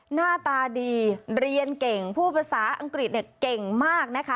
หน้าตาดีเรียนเก่งพูดภาษาอังกฤษเนี่ยเก่งมากนะคะ